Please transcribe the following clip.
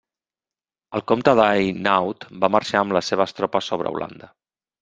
El comte d'Hainaut va marxar amb les seves tropes sobre Holanda.